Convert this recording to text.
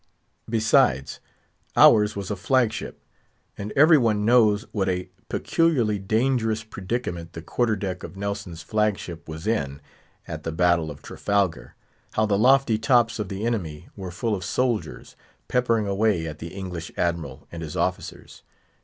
Besides, ours was a flag ship; and every one knows what a peculiarly dangerous predicament the quarter deck of Nelson's flag ship was in at the battle of Trafalgar; how the lofty tops of the enemy were full of soldiers, peppering away at the English Admiral and his officers.